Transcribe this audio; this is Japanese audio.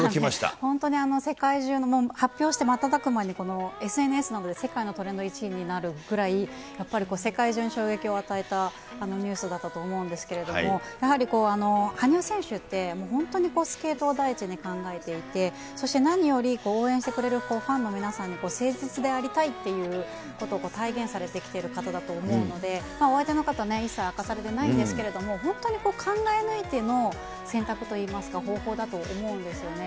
本当に世界中の、発表して瞬く間にこのＳＮＳなどで世界のトレンド１位になるぐらい、やっぱり世界中に衝撃を与えたニュースだったと思うんですけれども、やはり、羽生選手って、本当にスケートを第一に考えていて、そして何より応援してくれるファンの皆さんに誠実でありたいっていうことを体現されてきている方だと思うので、お相手の方、一切明かされてないんですけれども、本当に考え抜いての選択といいますか、方法だと思うんですよね。